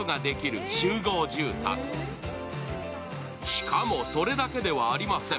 しかも、それだけではありません。